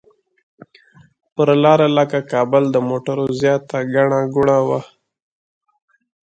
پر لاره لکه کابل د موټرو زیاته ګڼه ګوڼه وه.